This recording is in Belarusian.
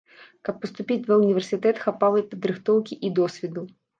Каб паступіць ва універсітэт, хапала і падрыхтоўкі, і досведу.